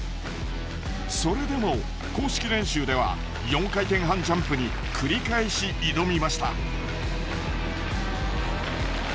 それでも公式練習では４回転半ジャンプに繰り返し挑みました。